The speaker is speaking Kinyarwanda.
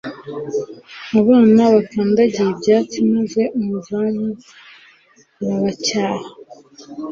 abana bakandagiye ibyatsi maze umuzamu arabacyaha